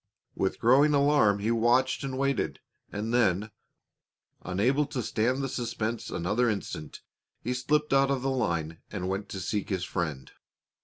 With growing alarm he had watched and waited, and then, unable to stand the suspense another instant, he slipped out of the line and went to seek his friend.